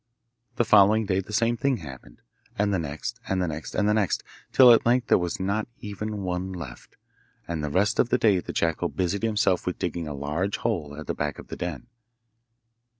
The following day the same thing happened, and the next and the next and the next, till at length there was not even one left, and the rest of the day the jackal busied himself with digging a large hole at the back of the den.